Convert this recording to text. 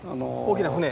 大きな船？